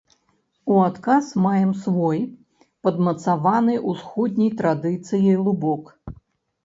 У адказ маем свой, падмацаваны усходняй традыцыяй, лубок.